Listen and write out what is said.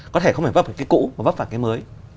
có thể không phải vấp phải cái cũ và vấp phải cái mới